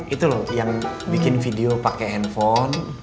itu loh yang bikin video pakai handphone